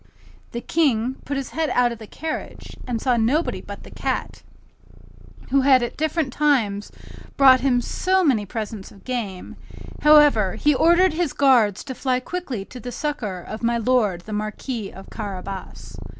The King put his head out of the carriage, and saw nobody but the cat, who had at different times brought him so many presents of game; however, he ordered his guards to fly quickly to the succor of my lord the Marquis of Carabas.